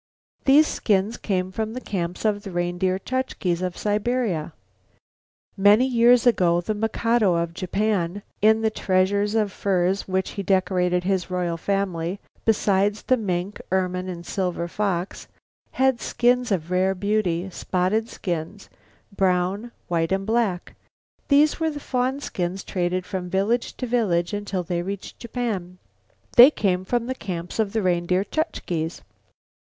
These skins came from the camps of the Reindeer Chukches of Siberia. Many years ago the Mikado of Japan, in the treasure of furs with which he decorated his royal family, besides the mink, ermine and silver fox, had skins of rare beauty, spotted skins, brown, white and black. These were fawn skins traded from village to village until they reached Japan. They came from the camps of the Reindeer Chukches.